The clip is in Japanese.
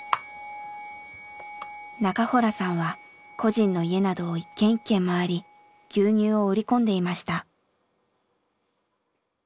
中洞さんは個人の家などを一軒一軒回り牛乳を売り込んでいました。